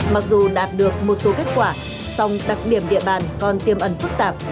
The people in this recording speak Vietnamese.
mặc dù đạt được một số kết quả song đặc điểm địa bàn còn tiêm ẩn phức tạp